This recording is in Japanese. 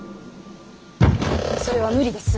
それは無理です。